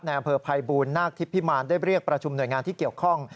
อำเภอภัยบูลนาคทิพิมารได้เรียกประชุมหน่วยงานที่เกี่ยวข้อง